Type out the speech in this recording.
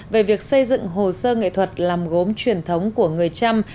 về việc xây dựng hồ sơ nghệ thuật làm gốm truyền thống của người trăm